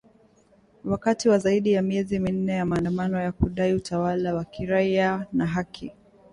Wakati wa zaidi ya miezi minne ya maandamano ya kudai utawala wa kiraia na haki.